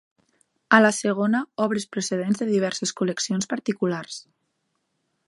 A la segona, obres procedents de diverses col·leccions particulars.